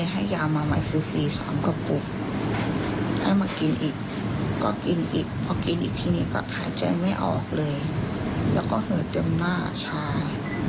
หายใจไม่ออกเลยแล้วก็เหิดเต็มหน้าชาย